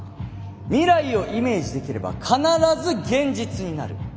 未来をイメージできれば必ず現実になる。